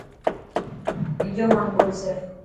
ٻيجو ماڻهو ٻولسي.